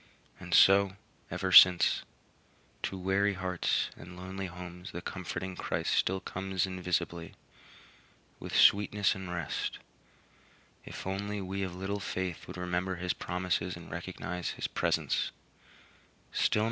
And so, ever since, to weary hearts and lonely homes the comforting Christ still comes invisibly, with sweetness and rest, if only we of little faith would remember his promises and recognize his presence.